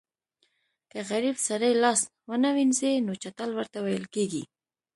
که غریب سړی لاس ونه وینځي نو چټل ورته ویل کېږي.